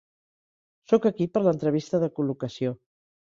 Soc aquí per l'entrevista de col·locació.